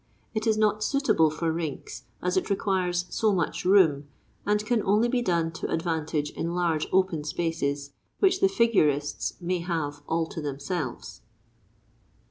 It is not suitable for rinks, as it requires so much room, and can only be done to advantage in large, open spaces, which the "figurists" may have all to themselves.